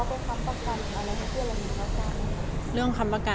คุณพ่อโพสหรอครับ